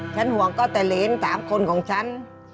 ฉันห่วงก็แต่เหรนสามคนของฉัน